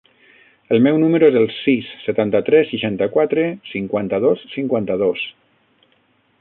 El meu número es el sis, setanta-tres, seixanta-quatre, cinquanta-dos, cinquanta-dos.